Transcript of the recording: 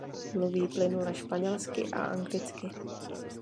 Mluví plynule španělsky a anglicky.